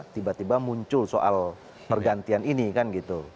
tiba tiba muncul soal pergantian ini kan gitu